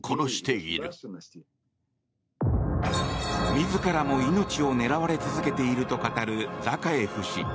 自らも命を狙われ続けていると語るザカエフ氏。